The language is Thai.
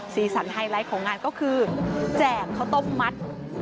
สีสันไฮไลท์ของงานก็คือแจกข้าวต้มมัด